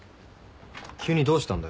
急にどうしたんだよ。